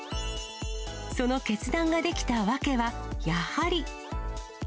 その決断ができた訳は、やはり。